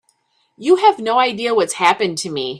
You have no idea what's happened to me.